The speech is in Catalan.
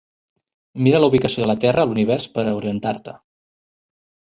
Mira la ubicació de la Terra a l'univers per a orientar-te.